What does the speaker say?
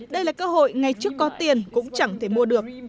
đây là cơ hội ngày trước có tiền cũng chẳng thể mua được